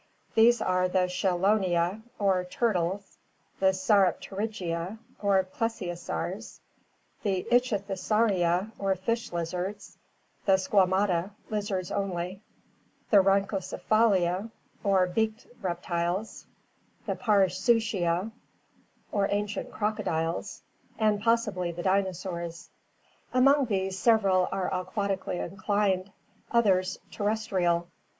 These are the Chelonia or turtles, the Sauropterygia or plesiosaurs, the Ichthyosauria or fish lizards, the Squama ta (lizards only), the Rhynchocephalia or beaked reptiles, the Parasuchia or ancient crocodiles, and possibly the dinosaurs. Among these several are aquatically inclined, others terrestrial.